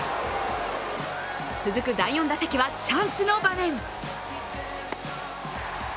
続く第４打席はチャンスの場面。